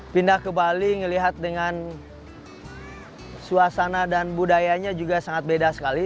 pindah ke bali ngelihat dengan suasana dan budayanya juga sangat beda sekali